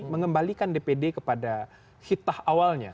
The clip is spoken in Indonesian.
mengembalikan dpd kepada hitah awalnya